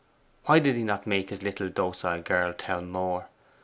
Why did he not make his little docile girl tell more?